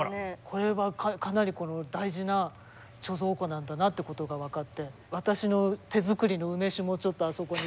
これはかなり大事な貯蔵庫なんだなってことが分かって私の手作りの梅酒もちょっとあそこに。